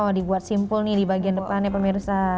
oh dibuat simpel nih di bagian depannya pemirsa